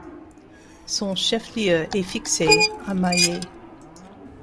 Son chef-lieu est fixé à Maillet.